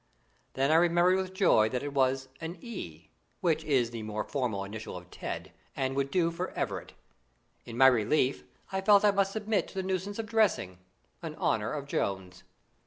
Then I remembered with joy that it was an "E," which is the more formal initial of Ted, and would do for Everett. In my relief, I felt I must submit to the nuisance of dressing in honour of Jones.